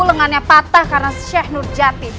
lengannya patah karena sheikh nurjati